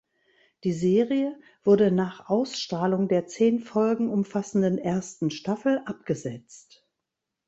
Die Serie wurde nach Ausstrahlung der zehn Folgen umfassenden ersten Staffel abgesetzt.